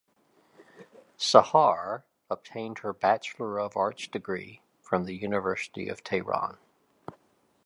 Sahar obtained her Bachelor of Arts degree from the University of Tehran.